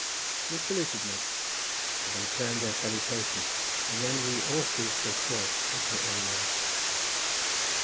They saluted me; I returned their salutation, and then we all three stood still looking at one another.